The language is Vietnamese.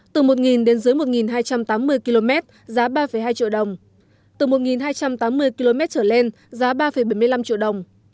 từ một đến dưới một hai trăm tám mươi km giá ba hai triệu đồng từ một hai trăm tám mươi km trở lên giá ba bảy mươi năm triệu đồng